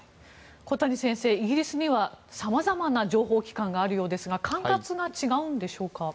小谷先生、イギリスには様々な情報機関があるようですが管轄が違うんでしょうか。